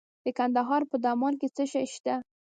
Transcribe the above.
د کندهار په دامان کې څه شی شته؟